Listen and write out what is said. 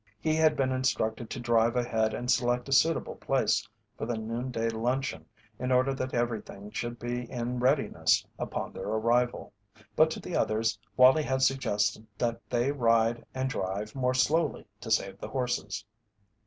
He had been instructed to drive ahead and select a suitable place for the noon day luncheon in order that everything should be in readiness upon their arrival, but to the others Wallie had suggested that they ride and drive more slowly to save the horses.